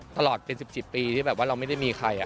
ตลอดเป็น๑๗ปีที่แบบว่าเราไม่ได้มีใคร